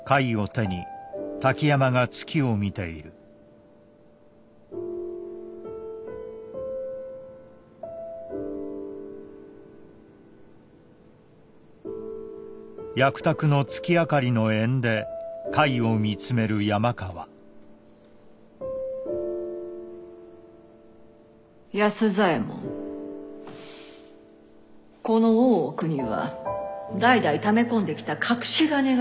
この大奥には代々ため込んできた隠し金があるのじゃ。